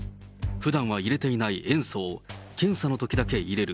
ふだんは入れていない塩素を検査のときだけ入れる。